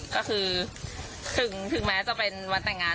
ก็คือถึงแม้จะเป็นวันแต่งงาน